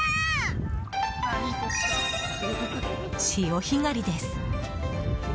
潮干狩りです。